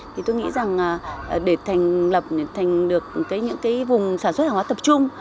thì tôi nghĩ rằng để thành lập thành được những cái vùng sản xuất hàng hóa tập trung